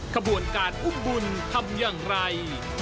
ขบวนการอุ้มบุญทำอย่างไร